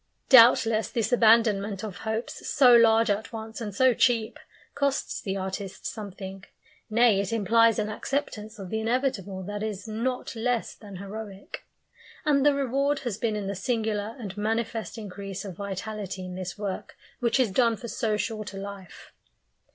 Doubtless this abandonment of hopes so large at once and so cheap costs the artist something; nay, it implies an acceptance of the inevitable that is not less than heroic. And the reward has been in the singular and manifest increase of vitality in this work which is done for so short a life.